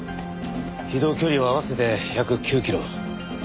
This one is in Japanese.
移動距離は合わせて約９キロ。